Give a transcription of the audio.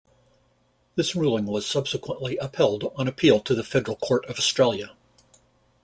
This ruling was subsequently upheld on appeal to the Federal Court of Australia.